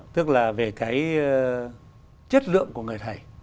tức là về cái chất lượng của người thầy